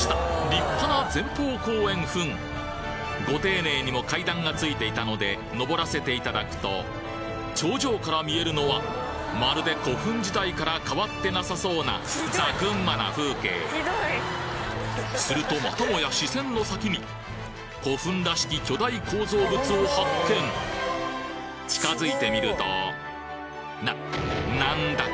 立派なご丁寧にも階段が付いていたのでのぼらせていただくと頂上から見えるのはまるで古墳時代から変わってなさそうなザ・群馬な風景するとまたもや視線の先に古墳らしき巨大構造物を発見近づいてみるとななんだ